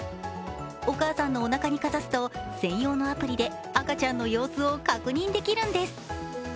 お母さんのおなかにかざすと、専用のアプリで赤ちゃんの様子を確認できるんです。